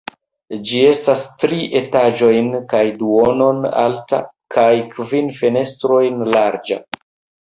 Ĝi estas tri etaĝojn kaj duonon alta, kaj kvin fenestrojn larĝa.